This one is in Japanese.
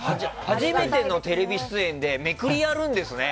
初めてのテレビ出演でめくりやるんですね。